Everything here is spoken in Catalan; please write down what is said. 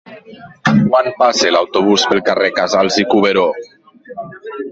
Quan passa l'autobús pel carrer Casals i Cuberó?